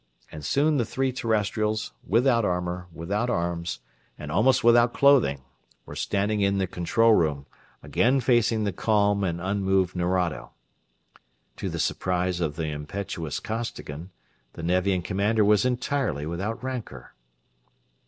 And soon the three Terrestrials, without armor, without arms, and almost without clothing, were standing in the control room, again facing the calm and unmoved Nerado. To the surprise of the impetuous Costigan, the Nevian commander was entirely without rancor.